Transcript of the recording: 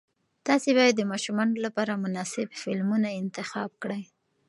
تاسې باید د ماشومانو لپاره مناسب فلمونه انتخاب کړئ.